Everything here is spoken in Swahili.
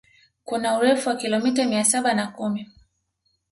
Kuna urefu wa kilomita mia saba na kumi